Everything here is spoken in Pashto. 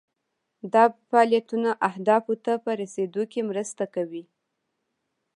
دا فعالیتونه اهدافو ته په رسیدو کې مرسته کوي.